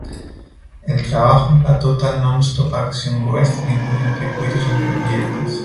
El trabajo en la Total Nonstop Action Wrestling y en circuitos independientes.